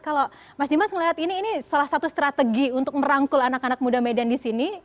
kalau mas dimas melihat ini salah satu strategi untuk merangkul anak anak muda medan di sini